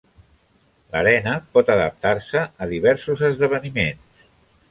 L'arena pot adaptar-se a diversos esdeveniments.